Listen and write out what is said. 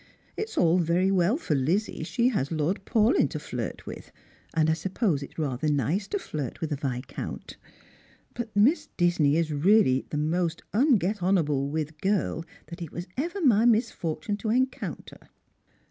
It's all very well for Lizzie, she has Lord Paul3'n to flirt with, and I suppose it's i ather nice to Hirt with a Viscount. But Miss Disney is really the most un get on able with girl that it was ever my misfortune to encounter."